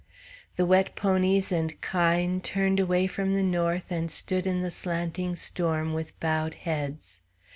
The wet ponies and kine turned away from the north and stood in the slanting storm with bowed heads.